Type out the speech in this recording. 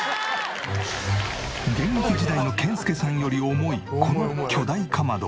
現役時代の健介さんより重いこの巨大かまどを。